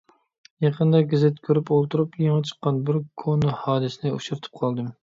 يېقىندا گېزىت كۆرۈپ ئولتۇرۇپ، يېڭى چىققان بىر كونا ھادىسىنى ئۇچرىتىپ قالدىم.